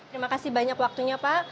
terima kasih banyak waktunya pak